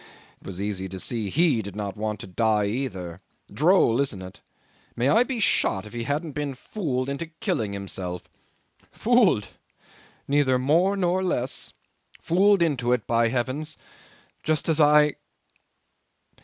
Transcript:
It was easy to see he did not want to die either. Droll, isn't it? May I be shot if he hadn't been fooled into killing himself! Fooled neither more nor less. Fooled into it, by heavens! just as I